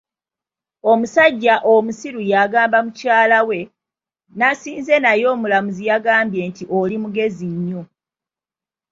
Omusajja omusiru yagamba mukyala we, nasinze naye omulamuzi yagambye nti oli mugezi nnyo.